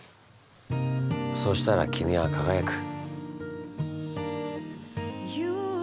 そしたら君は輝く。